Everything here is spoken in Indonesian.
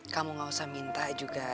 kamu gak usah minta juga